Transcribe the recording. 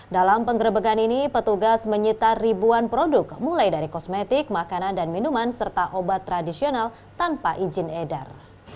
dalam penggerebekan ini petugas menyita ribuan produk mulai dari kosmetik makanan dan minuman serta obat tradisional tanpa izin edar